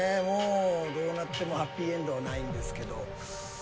もうどうなってもハッピーエンドはないんですけど。